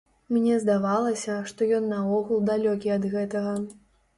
Мне здавалася, што ён наогул далёкі ад гэтага.